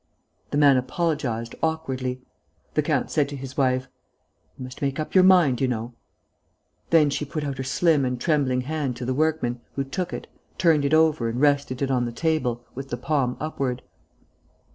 The man apologized, awkwardly. The count said to his wife: "You must make up your mind, you know." Then she put out her slim and trembling hand to the workman, who took it, turned it over and rested it on the table, with the palm upward.